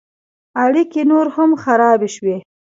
اړیکې نور هم خراب شوې.